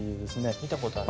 みたことある。